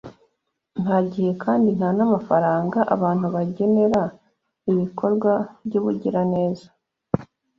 Nta gihe kandi nta n’amafaranga abantu bagenera ibikorwa by’ubugiraneza